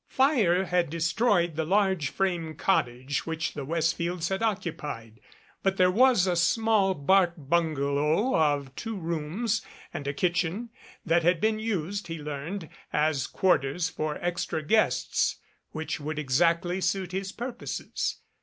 Fire had destroyed the large frame cottage which the Westfields had occupied, but there was a small bark bungalow of two rooms and a kitchen that had been used, he learned, as quarters for extra guests, which would exactly suit his purposes.